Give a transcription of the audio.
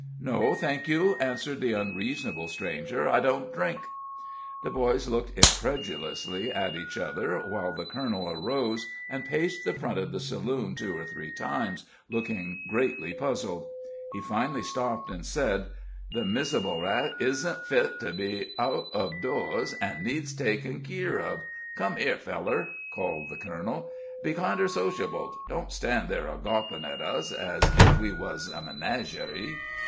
"No, thank you," answered the unreasonable stranger; "I don't drink." The boys looked incredulously at each other, while the colonel arose and paced the front of the saloon two or three times, looking greatly puzzled. He finally stopped and said: "The mizzable rat isn't fit to be out uv doors, an' needs takin' keer ov. Come here, feller," called the colonel; "be kinder sociable don't stand there a gawpin' at us ez ef we wuz a menagerie."